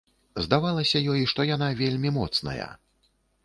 Здавалася ёй, што яна вельмі моцная.